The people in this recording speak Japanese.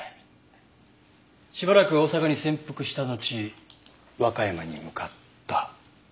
しばらく大阪に潜伏したのち和歌山に向かった。